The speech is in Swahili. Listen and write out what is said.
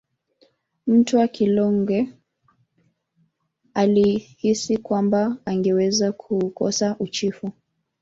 Mtwa kilonge alihisi kwamba angeweza kuukosa uchifu